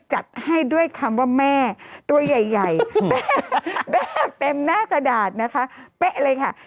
จัดให้ด้วยคำว่าแม่ตัวใหญ่เต็มหน้ากระดาษนะคะเป๊ะเลยค่ะ